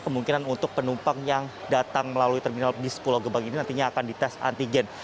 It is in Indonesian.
kemungkinan untuk penumpang yang datang melalui terminal bis pulau gebang ini nantinya akan dites antigen